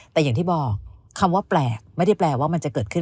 แต่อย่างที่บอกคำว่าแปลกไม่ได้แปลว่ามันจะเกิดขึ้น